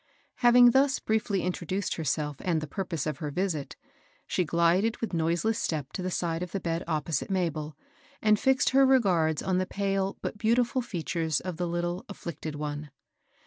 Having thus briefly introduced herself and the purpose of her visit, she gHded widi noiseless step to the side of the bed opposite Mabel, and fixed her regards on the pale but beautifiil features of the little, afflicted one.